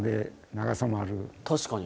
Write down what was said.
確かに。